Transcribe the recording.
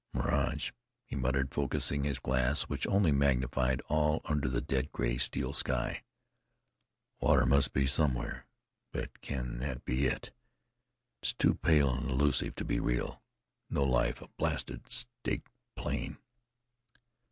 "Mirage!" he muttered, focusing his glass, which only magnified all under the dead gray, steely sky. "Water must be somewhere; but can that be it? It's too pale and elusive to be real. No life a blasted, staked plain!